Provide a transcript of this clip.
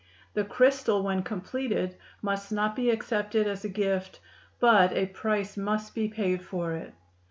The crystal when completed must not be accepted as a gift, but a price must be paid for it.